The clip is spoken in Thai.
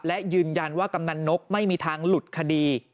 และยืนยันว่ากำนันนกไม่มีทางหลุดคดี